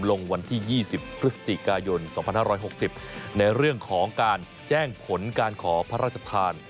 วันที่๒๐พฤศจิกายน๒๕๖๐ในเรื่องของการแจ้งผลการขอพระราชทาน